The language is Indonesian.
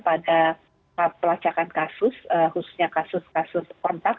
pada pelacakan kasus khususnya kasus kasus kontak